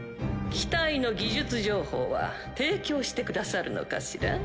機体の技術情報は提供してくださるのかしら？